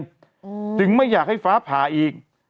อืมจึงไม่อยากให้ฟ้าผ่าอีก